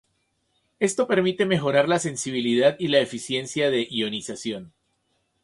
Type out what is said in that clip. Esto permite mejorar la sensibilidad y la eficiencia de ionización.